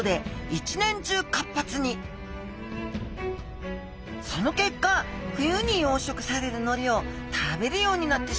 その結果冬に養殖されるのりを食べるようになってしまったのです